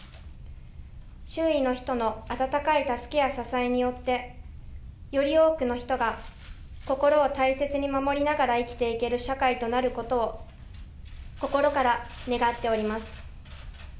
周囲の人の温かい助けや支えによって、より多くの人が心を大切に守りながら生きていける社会となることを、心から願っております。